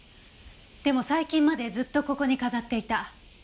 でも最近までずっとここに飾っていた。